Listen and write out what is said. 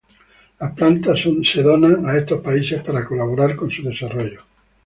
Las plantas son donada a estos países para colaborar con su desarrollo.